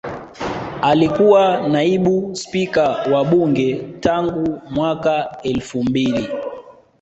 Alikuwa Naibu Spika wa Bunge tangu mwaka elfu mbili